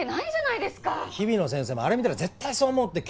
日比野先生もあれ見たら絶対そう思うって。